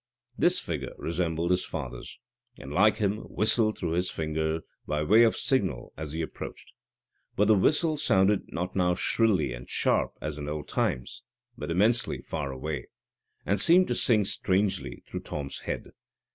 This figure resembled his father's, and like him, whistled through his finger by way of signal as he approached; but the whistle sounded not now shrilly and sharp, as in old times, but immensely far away, and seemed to sing strangely through Tom's head.